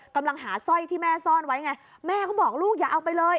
กำลังหาสร้อยที่แม่ซ่อนไว้ไงแม่ก็บอกลูกอย่าเอาไปเลย